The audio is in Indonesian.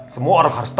semua orang harus tau